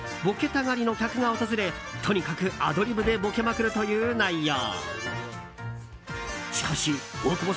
たがりの客が訪れとにかくアドリブでボケまくるという内容。